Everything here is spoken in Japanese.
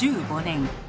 １５年。